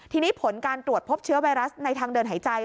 ทีนี้ผลการตรวจพบเชื้อไวรัสในทางเดินหายใจ